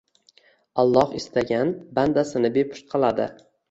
Alloh istagan bandasini bepusht qiladi.